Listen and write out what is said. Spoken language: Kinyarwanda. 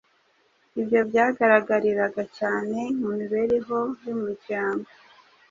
Ibyo byagaragariraga cyane mu mibereho y’umuryango.